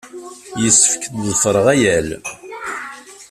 Yessefk ad ḍefreɣ agal.